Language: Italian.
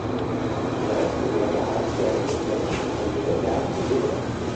Il resto della gara serve per attribuire le altre due medaglie.